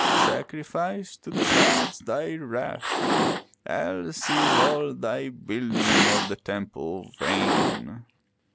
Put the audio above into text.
Sacrifice to the gods thy wrath. Else is all thy building of the temple vain."